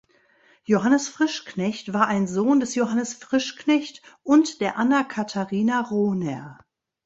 Johannes Frischknecht war ein Sohn des Johannes Frischknecht und der Anna Katharina Rohner.